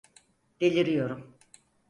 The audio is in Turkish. Deliriyorum.